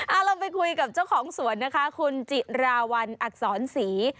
เอาเราไปคุยกับเจ้าของสวนนะคะคุณจิราวันอักษรศรี